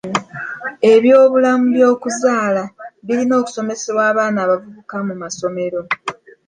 Ebyobulamu byokuzaala birina okusomesebwa abaana abavubuka mu masomero.